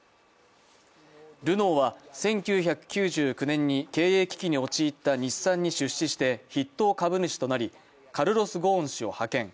ルノーは１９９９年に経営危機に陥った日産に出資して筆頭株主となり、カルロス・ゴーン氏を派遣。